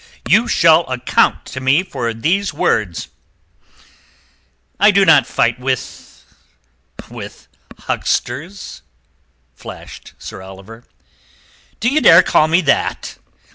"You shall account to me for these words." "I do not fight with... with hucksters," flashed Sir Oliver. "D'ye dare call me that?"